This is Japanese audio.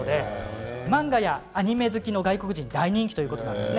漫画やアニメ好きの外国人に大人気ということです。